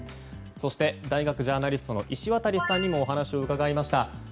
そして大学ジャーナリストの石渡さんにもお話を伺いました。